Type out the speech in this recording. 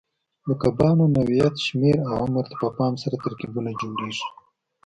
د کبانو نوعیت، شمېر او عمر ته په پام سره ترکیبونه جوړېږي.